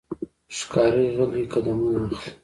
ښکاري غلی قدمونه اخلي.